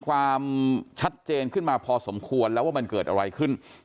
ความชัดเจนขึ้นมาพอสมควรแล้วว่ามันเกิดอะไรขึ้น